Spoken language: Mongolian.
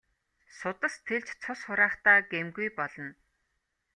Судас тэлж цус хураахдаа гэмгүй болно.